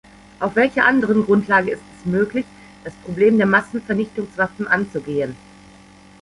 Auf welcher anderen Grundlage ist es möglich, das Problem der Massenvernichtungswaffen anzugehen?